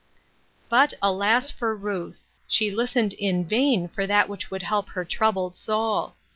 But, alas for Ruth ! she listened in vain for that which would help her troubled soul.